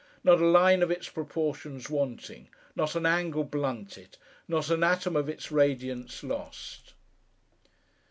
Not a line of its proportions wanting; not an angle blunted; not an atom of its radiance lost.